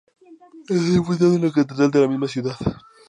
Está sepultado en la Catedral de la misma ciudad.